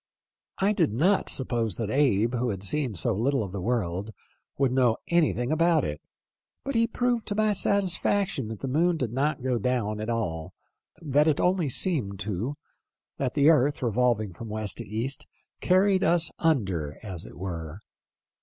" I did not suppose that Abe, who had seen so little of the world, would know anything about it, but he proved to my satisfaction that the moon did not go down at all ; that it only seemed to ; that the earth, revolving from west to east, carried us under, as it were.